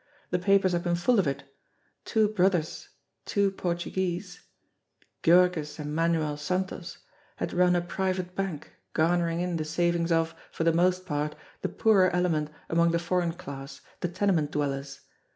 The papers had been full of it. Two brothers, two Portu guese, Georges and Manuel Santos, had run a private bank, garnering in the savings of, for the most part, the poorer element among the foreign class, the tenement dwellers.